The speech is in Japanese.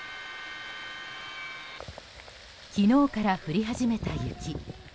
昨日から降り始めた雪。